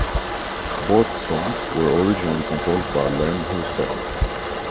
Both songs were originally composed by Lane herself.